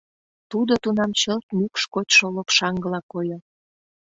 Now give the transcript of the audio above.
Тудо тунам чылт мӱкш кочшо лопшаҥгыла койо.